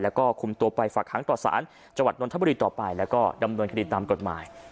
แล้วก็คุมตัวไปฝากค้างต่อสารจังหวัดนทบุรีต่อไปแล้วก็ดำเนินคดีตามกฎหมาย